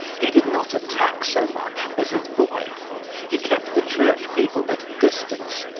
He did not attack so much as avoid. He kept the church people at a distance.